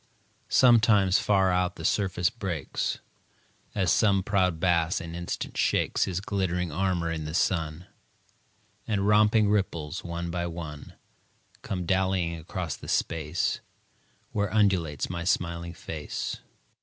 Sometimes, far out, the surface breaks, As some proud bass an instant shakes His glittering armor in the sun, And romping ripples, one by one, Come dallyiong across the space Where undulates my smiling face.